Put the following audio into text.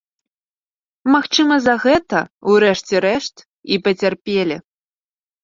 Магчыма за гэта, у рэшце рэшт, і пацярпелі.